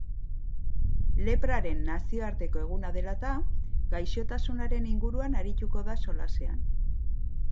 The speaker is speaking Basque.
Lepraren nazioarteko eguna dela eta, gaixotasunaren inguruan arituko da solasean.